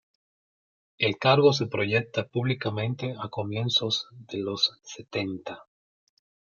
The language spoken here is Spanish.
El cargo se proyecta públicamente a comienzos de los setenta.